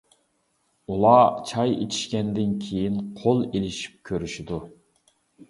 ئۇلار چاي ئىچىشكەندىن كىيىن قول ئېلىشىپ كۆرۈشىدۇ.